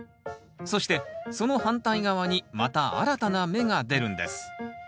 そしてその反対側にまた新たな芽が出るんです。